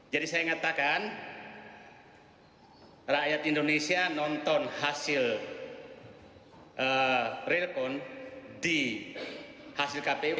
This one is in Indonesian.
jadi saya ngatakan rakyat indonesia nonton hasil real count di hasil kpu